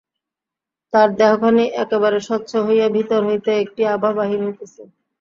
তার দেহখানি একেবারে স্বচ্ছ হইয়া ভিতর হইতে একটি আভা বাহির হইতেছে।